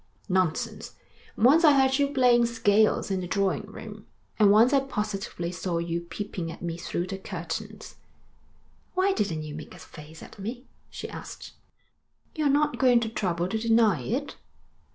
'Nonsense. Once I heard you playing scales in the drawing room, and once I positively saw you peeping at me through the curtains.' 'Why didn't you make a face at me?' she asked. 'You're not going to trouble to deny it?'